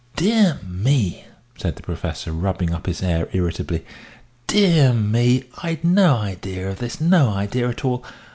"Dear me," said the Professor, rubbing up his hair irritably, "dear me! I'd no idea of this no idea at all.